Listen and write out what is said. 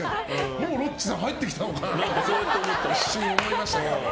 もうロッチさん入ってきたのかなと一瞬、思いましたけど。